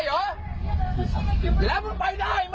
โอ้ยเอาลูกรถข้างหน้าไปได้เหรอแล้วมึงไปได้ไหม